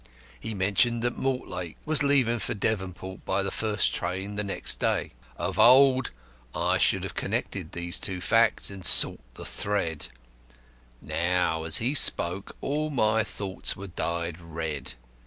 He mentioned that Mortlake was leaving for Devonport by the first train on the next day. Of old I should have connected these two facts and sought the thread; now, as he spoke, all my thoughts were dyed red.